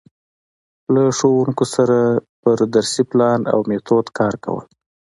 له ښـوونکو سره پر درسي پـلان او میتود کـار کول.